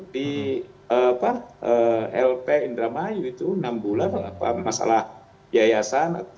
di lp indramayu itu enam bulan masalah yayasan